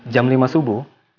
jam lima subuh